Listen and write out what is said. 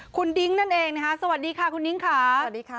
คุณดิ๊งค์นั่นเองนะฮะสวัสดีค่ะคุณดิ๊งค์ค่ะ